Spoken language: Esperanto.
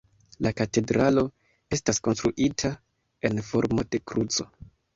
La katedralo estas konstruita en formo de kruco.